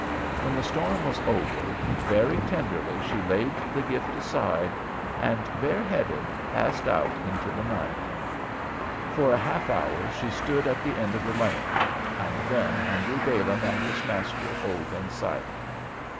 When the storm was over, very tenderly she laid the gift aside, and bareheaded passed out into the night. For a half hour she stood at the end of the lane, and then hungry Balaam and his master hove in sight.